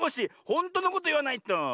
ほんとのこといわないと。